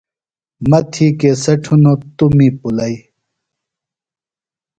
مہ تھی کیسٹ ہِنوۡ توۡ می پُلئی۔